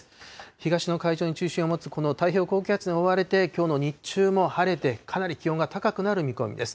東の海上に中心を持つ、この太平洋高気圧に覆われて、きょうの日中も晴れて、かなり気温が高くなる見込みです。